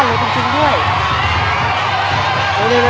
อีก๒ถุงนะครับ